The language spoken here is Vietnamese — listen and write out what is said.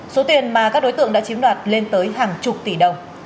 số tiền mà các đối tượng đã chiếm đoạt lên tới hàng chục tỷ đồng